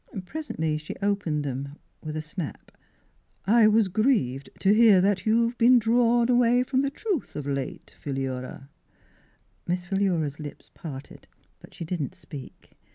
Presently she opened them with a snap. '" I was grieved to hear that you've been drawed away from the truth of late, Philura." Miss Philura's lips parted, but she did not speak.